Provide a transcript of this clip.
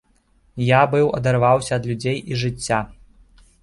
Я быў адарваўся ад людзей і жыцця.